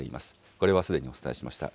これはすでにお伝えしました。